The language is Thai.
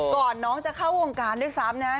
น้องจะเข้าวงการด้วยซ้ำนะฮะ